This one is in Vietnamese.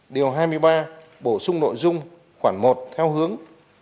điều hai mươi ba bổ sung nội dung khoản một theo hướng